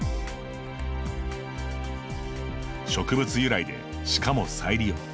植物由来で、しかも再利用。